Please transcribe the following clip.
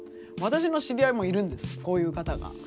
私の知り合いもいるんですこういう方が。